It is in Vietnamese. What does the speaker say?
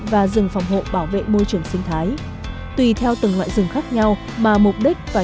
và rừng phòng hộ bảo vệ môi trường sinh thái tùy theo từng loại rừng khác nhau mà mục đích và